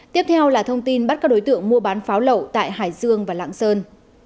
tiếp theo là thông tin bắt các đối tượng mua bán pháo lậu tại hải dương và lạng sơn